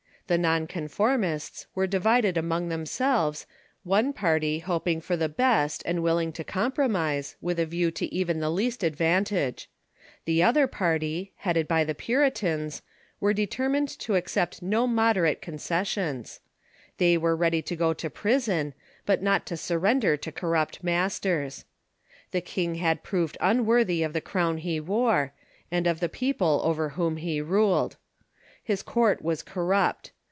The non conformists Avere divided among them selves, one party hoping for the best and Avilling to compro mise, with a view to even the least advantage. The other 20 306 IHE MODEUX CHUKCII party, beaded by tbe PuritaTis, were determined to accept no moderate concessions. Tbey were ready to go to prison, but „.. not to surrender to corrupt masters. The kinof had Effect of 1 r 1 1 the Reign of proved unworthy of the crown he wore, and of the Charles II. jjgople over whom he ruled. His court was cor rupt.